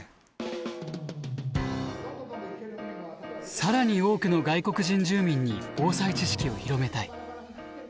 更に多くの外国人住民に防災知識を広めたい。